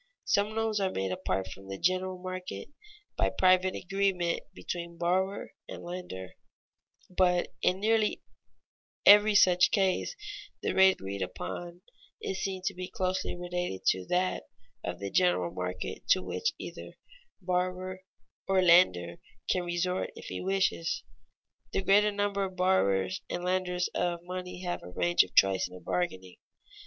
Some loans are made apart from the general market, by private agreement between borrower and lender; but in nearly every such case the rate agreed upon is seen to be closely related to that of the general market to which either borrower or lender can resort if he wishes. The greater number of borrowers and lenders of money have a range of choice in their bargaining.